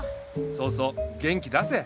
そうそう元気出せ。